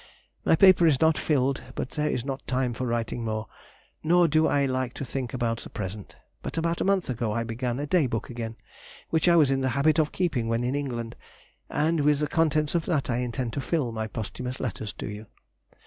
My paper is not filled, but there is not time for writing more, nor do I like to think about the present; but about a month ago I began a day book again, which I was in the habit of keeping when in England, and with the contents of that I intend to fill my posthumous letter to you.